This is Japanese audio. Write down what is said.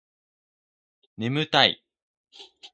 眠たい